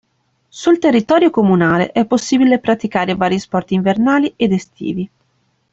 Sul territorio comunale è possibile praticare vari sport invernali ed estivi.